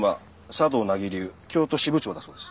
茶道名木流京都支部長だそうです。